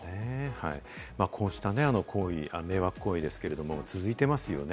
こうした行為、迷惑行為ですけれども、続いてますよね。